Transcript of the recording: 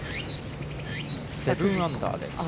７アンダーです。